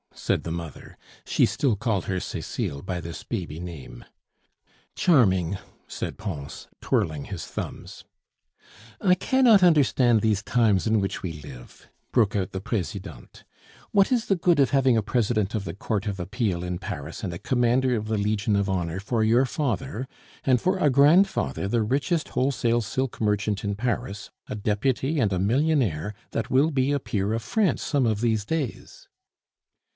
said the mother. She still called her Cecile by this baby name. "Charming!" said Pons, twirling his thumbs. "I cannot understand these times in which we live," broke out the Presidente. "What is the good of having a President of the Court of Appeal in Paris and a Commander of the Legion of Honor for your father, and for a grandfather the richest wholesale silk merchant in Paris, a deputy, and a millionaire that will be a peer of France some of these days?"